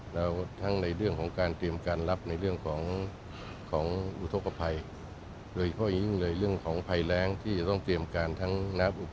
แล้วทั้งในเรื่องของการเตรียมการรับในเรื่องของอุทธกภัย